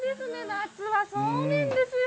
夏はそうめんですよ。